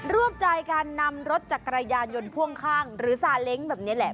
ร่วมใจการนำรถจักรยานยนต์พ่วงข้างหรือซาเล้งแบบนี้แหละ